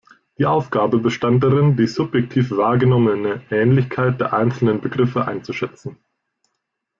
Die Aufgabe bestand darin, die subjektiv wahrgenommene Ähnlichkeit der einzelnen Begriffe einzuschätzen.